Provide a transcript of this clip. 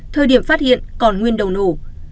thời điểm phát hiện còn nguyên đầu nổ